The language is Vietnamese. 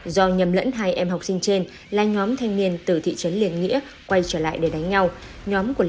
do nhầm lẫn hai em học sinh trên là nhóm thanh niên từ thị trấn liên nghĩa quay trở lại để đánh nhau